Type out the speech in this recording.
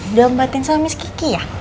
udah obatin sama miss kiki ya